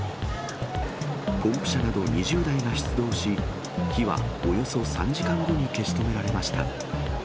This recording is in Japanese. ポンプ車など、２０台が出動し、火はおよそ３時間後に消し止められました。